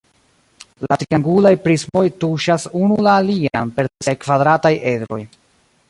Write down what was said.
La triangulaj prismoj tuŝas unu la alian per siaj kvadrataj edroj.